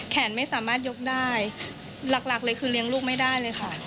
ไม่สามารถยกได้หลักเลยคือเลี้ยงลูกไม่ได้เลยค่ะ